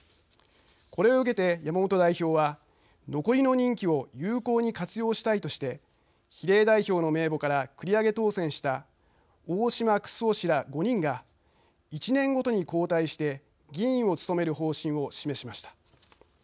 これを受けて、山本代表は残りの任期を有効に活用したいとして比例代表の名簿から繰り上げ当選した大島九州男氏ら５人が１年ごとに交代して議員を務める方針を示しました。